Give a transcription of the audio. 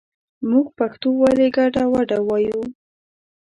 مونږ پښتو ولې ګډه وډه وايو